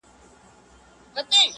بس که! آسمانه نور یې مه زنګوه-